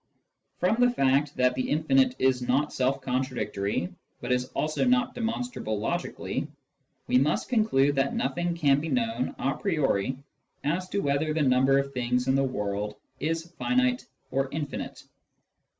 From the fact that the infinite is not self contradictory, but is also not demonstrable logically, we must conclude that nothing can be known a priori as to whether the number of things in the world is finite or infinite.